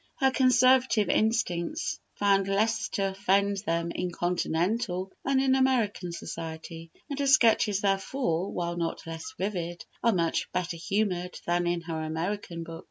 Her Conservative instincts found less to offend them in Continental than in American society, and her sketches, therefore, while not less vivid, are much better humoured than in her American book.